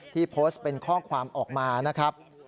ที่โพสต์เป็นข้อความออกมานะครับ